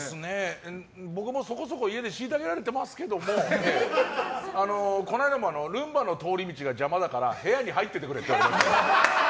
僕もそこそこ家で虐げられていますけどもこの間もルンバの通り道が邪魔だから部屋に入っててくれって言われました。